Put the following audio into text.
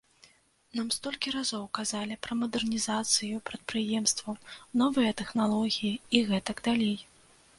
Нам столькі разоў казалі пра мадэрнізацыю прадпрыемстваў, новыя тэхналогіі і гэтак далей.